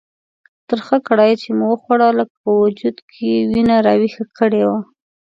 ترخه کړایي چې مې وخوړله لکه په وجود کې یې وینه راویښه کړې وه.